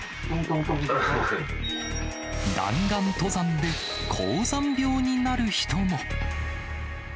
弾丸登山で高山病になる人も。